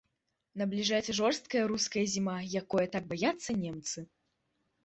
Набліжаецца жорсткая руская зіма, якое так баяцца немцы.